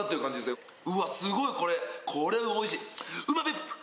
すごいこれこれは美味しい！